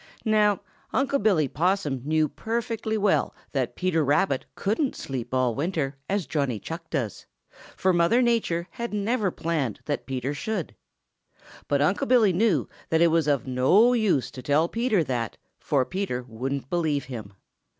Now Unc' Billy Possum knew perfectly well that Peter Rabbit couldn't sleep all winter as Johnny Chuck does, for Old Mother Nature had never planned that Peter should. But Unc' Billy knew that it was of no use to tell Peter that, for Peter wouldn't believe him.